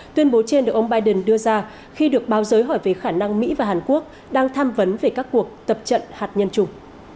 tuyên bố trên được ông biden đưa ra khi được báo giới hỏi về khả năng mỹ và hàn quốc đang tham vấn về các cuộc tập trận hạt nhân chung